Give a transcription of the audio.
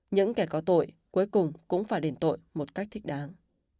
những kẻ có tội cuối cùng cũng phải đền tội một cách thích đáng